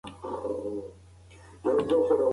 دا ناول د یوې نوې امپراطورۍ د پیل کیسه ده.